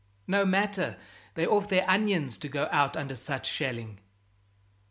"No matter they're off their onions to go out under such shelling."